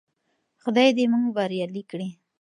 خدای دې موږ بريالي کړي.